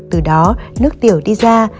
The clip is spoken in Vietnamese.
từ đó nước tiểu đi ra